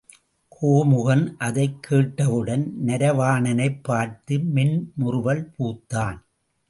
கோமுகன் அதைக் கேட்டவுடன் நரவாணனைப் பார்த்து மென்முறுவல் பூத்தான்.